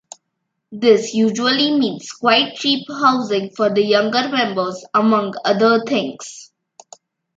This usually means quite cheap housing for the younger members among other things.